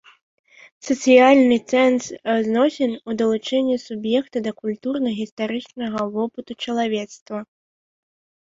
Сацыяльны сэнс зносін у далучэнні суб'екта да культурна-гістарычнага вопыту чалавецтва.